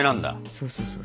そうそうそう。